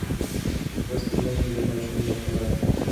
لوستې میندې د ماشوم د خوراک وخت منظم ساتي.